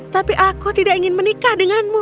tapi aku tidak ingin menikah denganmu